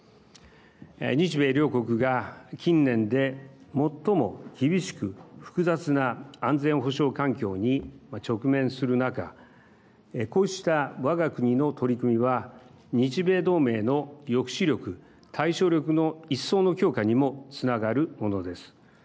日米両国が近年で、もっとも厳しく複雑な安全保障環境に直面する中こうしたわが国の取り組みは日米同盟の抑止力対処力の一層の強化にもつながるものです。